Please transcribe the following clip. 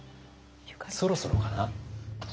そろそろかな？